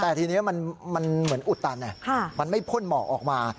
แต่ทีนี้มันเหมือนอุดตันมันไม่พ่นหมอกออกมา